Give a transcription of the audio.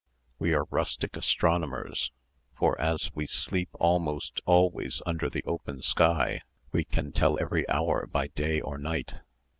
We are rustic astronomers, for as we sleep almost always under the open sky, we can tell every hour by day or night.